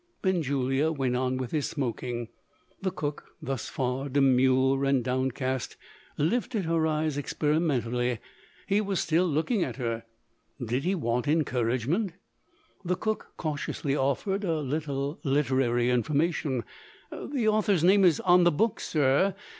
Benjulia went on with his smoking. The cook, thus far demure and downcast, lifted her eyes experimentally. He was still looking at her. Did he want encouragement? The cook cautiously offered a little literary information, "The author's name is on the book, sir.